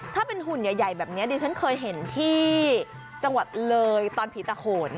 ถ้าเป็นหุ่นใหญ่แบบนี้ดิฉันเคยเห็นที่จังหวัดเลยตอนผีตะโขน